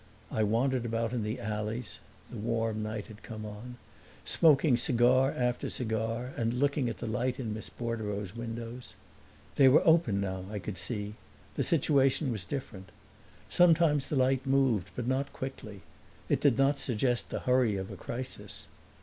I wandered about in the alleys the warm night had come on smoking cigar after cigar and looking at the light in Miss Bordereau's windows. They were open now, I could see; the situation was different. Sometimes the light moved, but not quickly; it did not suggest the hurry of a crisis.